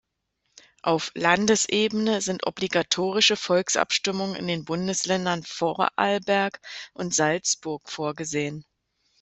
Auf "Landesebene" sind obligatorische Volksabstimmungen in den Bundesländern Vorarlberg und Salzburg vorgesehen.